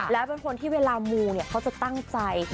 และเป็นคนที่เวลาหมูเขาจะตั้งใจ